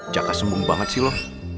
jaka sembung banget sih loh